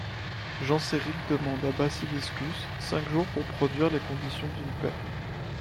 Genséric demande à Basiliscus cinq jours pour produire les conditions d’une paix.